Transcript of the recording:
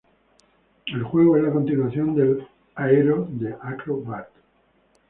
El juego es la continuación de Aero the Acro-Bat.